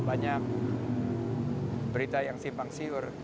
banyak berita yang simpang siur